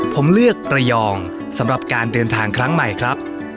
ผมเลือกระยองสำหรับการเดินทางครั้งใหม่ครับ